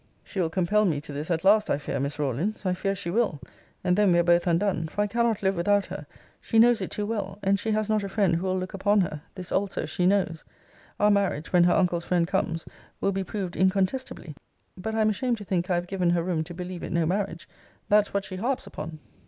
She will compel me to this at last, I fear, Miss Rawlins; I fear she will; and then we are both undone: for I cannot live without her; she knows it too well: and she has not a friend who will look upon her: this also she knows. Our marriage, when her uncle's friend comes, will be proved incontestably. But I am ashamed to think I have given her room to believe it no marriage: that's what she harps upon!